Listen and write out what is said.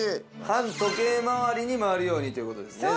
反時計回りに回るようにということですね